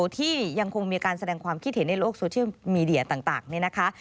ที่ยังคงมีการแสดงความคิดเห็นในโลกโซเชียลมีเดียต่างนี่นะคะ